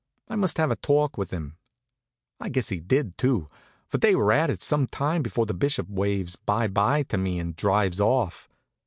I must have a talk with him." I guess he did, too; for they were at it some time before the Bishop waves by by to me and drives off.